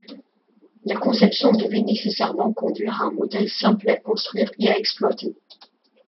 La conception devait nécessairement conduire à un modèle simple à construire et à exploiter.